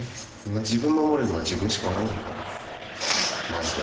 自分守れるのは自分しかおらへんから、まじで。